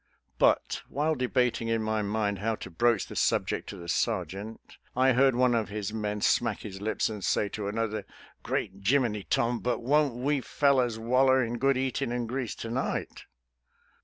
But, while debating in my mind how to broach the subject to the sergeant, I heard one of his men smack his lips and say to another, " Great Jiminy, Tom, but won't we fel lers waller in good eatin' an' grease to night!